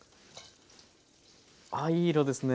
あっいい色ですね。